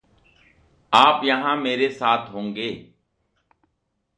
आप यहाँ मेरे साथ होंगे।